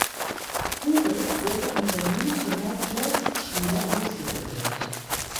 Kugel wurde an der Münchener Jazzschule ausgebildet.